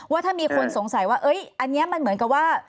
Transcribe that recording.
ว่าถ้ามีคนสงสัยว่าอันนี้มันเหมือนกับว่า